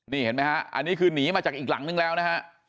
นี่เห็นไหมฮะอันนี้คือหนีมาจากอีกหลังนึงแล้วนะฮะ